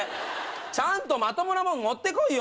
ちゃんとまともなもん持って来いよ！